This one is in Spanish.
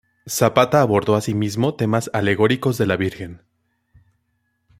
Zapata abordó asimismo temas alegóricos de la Virgen.